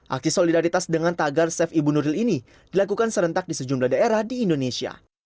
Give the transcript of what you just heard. aksi solidaritas dengan tagar safe ibu nuril ini dilakukan serentak di sejumlah daerah di indonesia